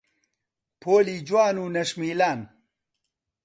پۆلی جوان و نەشمیلان